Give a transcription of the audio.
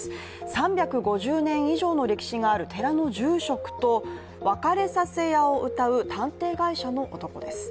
３５０年以上の歴史がある寺の住職と別れさせ屋をうたう探偵会社の男です。